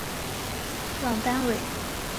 朗丹韦。